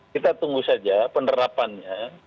kita tunggu saja penerapannya